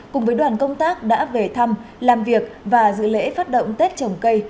cùng với đoàn công tác đã về thăm làm việc và dự lễ phát động tết trồng cây